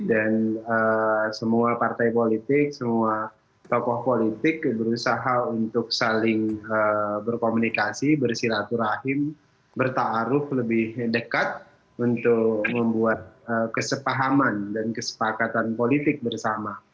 dan semua partai politik semua tokoh politik berusaha untuk saling berkomunikasi bersilaturahim bertaruh lebih dekat untuk membuat kesepahaman dan kesepakatan politik bersama